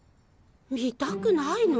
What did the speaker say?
見たくないの？